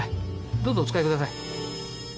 どうぞお使いください。